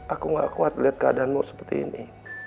aku gak kuat melihat keadaanmu seperti ini